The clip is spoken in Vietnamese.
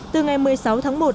từ ngày một mươi sáu tháng một